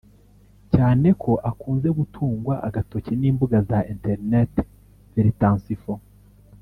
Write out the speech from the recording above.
cyane ko akunze gutungwa agatoki n’imbuga za internet veritasinfo